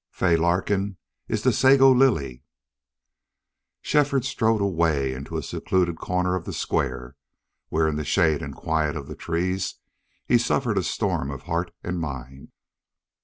"Fay Larkin is the Sago Lily." .......... Shefford strode away into a secluded corner of the Square, where in the shade and quiet of the trees he suffered a storm of heart and mind.